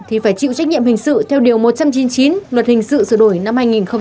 thì phải chịu trách nhiệm hình sự theo điều một trăm chín mươi chín luật hình sự sửa đổi năm hai nghìn một mươi bảy